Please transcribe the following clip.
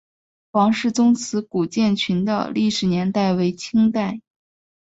黄氏宗祠古建群的历史年代为清代。